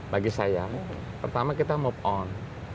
bagi saya pertama kita move on